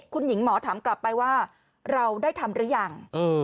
คุณหญิงหมอถามกลับไปว่าเราได้ทำหรือยัง